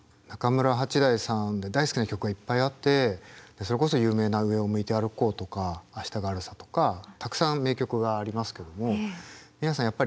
中村八大さんで大好きな曲がいっぱいあってそれこそ有名な「上を向いて歩こう」とか「明日があるさ」とかたくさん名曲がありますけども皆さん